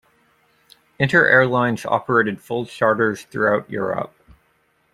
Inter Airlines operated full charters throughout Europe.